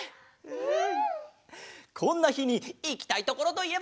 うん。